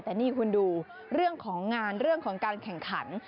แต่นี่คุณดูเรื่องของงานเรื่องของการแข่งขัน